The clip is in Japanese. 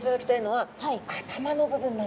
はい。